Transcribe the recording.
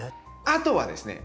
あとはですね